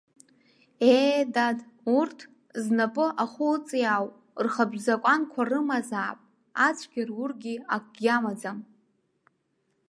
Ее, дад, урҭ, знапы ахәы ыҵиаау, рхатә закәанқәа рымазаап, ацәгьа рургьы акгьы амаӡам.